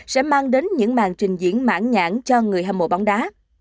sẽ mang đến những màn trình diễn mãn nhãn cho người hâm mộ bóng đá